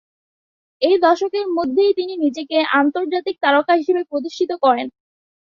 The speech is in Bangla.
এই দশকের মধ্যেই তিনি নিজেকে আন্তর্জাতিক তারকা হিসেবে প্রতিষ্ঠিত করেন।